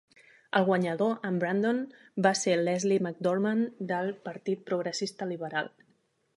El guanyador en Brandon va ser Leslie McDorman del partit Progressista Liberal.